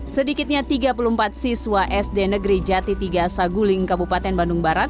sedikitnya tiga puluh empat siswa sd negeri jati tiga saguling kabupaten bandung barat